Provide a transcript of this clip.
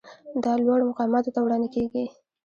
دا لوړو مقاماتو ته وړاندې کیږي.